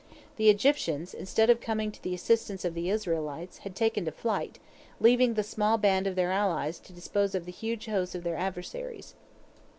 The Egyptians, instead of coming to the assistance of the Israelites, had taken to flight, leaving the small band of their allies to dispose of the huge host of their adversaries.